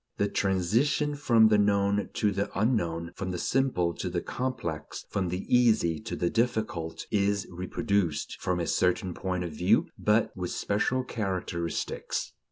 The transition from the known to the unknown, from the simple to the complex, from the easy to the difficult, is reproduced, from a certain point of view; but with special characteristics.